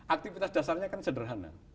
aktivitas dasarnya kan sederhana